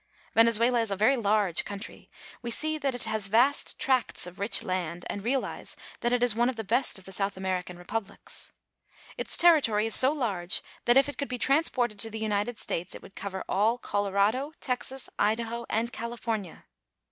Venezuela is a very large country. We see that it has vast tracts of rich land, and realize that it is one of the best of the South American republics. Its territory is so large that if it could be transported to the United States it would cover all Colorado, Texas, Idaho, and California.